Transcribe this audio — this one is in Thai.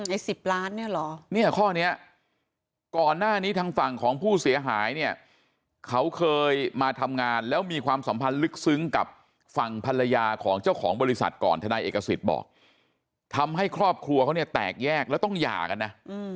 ไอ้สิบล้านเนี่ยเหรอเนี่ยข้อนี้ก่อนหน้านี้ทางฝั่งของผู้เสียหายเนี่ยเขาเคยมาทำงานแล้วมีความสัมพันธ์ลึกซึ้งกับฝั่งภรรยาของเจ้าของบริษัทก่อนทนายเอกสิทธิ์บอกทำให้ครอบครัวเขาเนี่ยแตกแยกแล้วต้องหย่ากันนะ